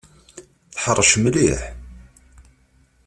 Teḥṛec mliḥ.